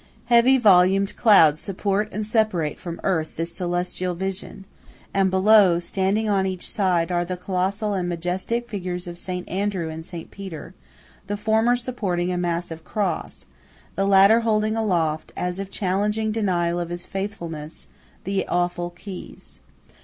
Heavy volumed clouds support and separate from earth this celestial vision; and below, standing on each side, are the colossal and majestic figures of St. Andrew and St. Peter; the former supporting a massive cross, the latter holding aloft, as if challenging denial of his faithfulness, the awful keys.